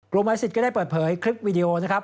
สิทธิ์ก็ได้เปิดเผยคลิปวิดีโอนะครับ